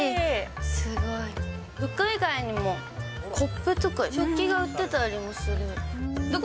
すごい。服以外にも、コップとか食器が売ってたりもする。